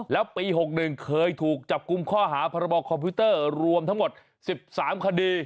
แล้วปี๖๑เคยถูกจับกลุ่มข้อหาพรบคอมพิวเตอร์รวมทั้งหมด๑๓คดี